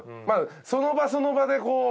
その場その場でこう。